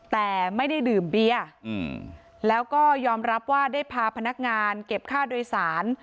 แต่ไม่ได้ดื่มเบียร์แล้วก็ยอมรับว่าได้พาพนักงานเก็บค่าโดยสาร